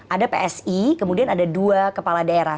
ada psi kemudian ada dua kepala daerah